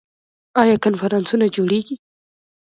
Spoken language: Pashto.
آیا کنفرانسونه جوړیږي؟